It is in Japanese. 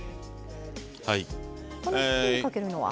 この火にかけるのは？